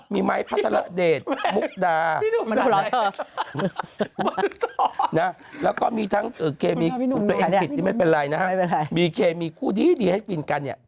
มีไม้พัฒนาเดชมุกดาแล้วก็มีทั้งเกมีไม่เป็นไรนะครับมีเคมีคู่ดีให้กินกันเนี่ย